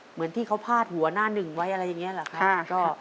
เหมือนที่เขาพาดหัวหน้าหนึ่งไว้อะไรอย่างนี้เหรอครับ